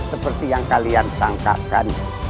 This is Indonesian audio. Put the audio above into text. seperti yang kalian sangkakan